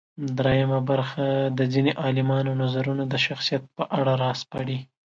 درېیمه برخه د ځينې عالمانو نظرونه د شخصیت په اړه راسپړي.